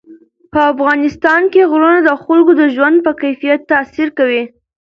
په افغانستان کې غرونه د خلکو د ژوند په کیفیت تاثیر کوي.